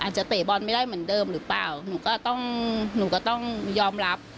อาจจะเตะบอลไม่ได้เหมือนเดิมหรือเปล่าหนูก็ต้องยอมรับ